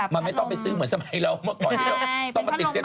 มันไม่ต้องไปซื้อเหมือนสมัยเราเมื่อก่อนที่เราต้องมาติดเซต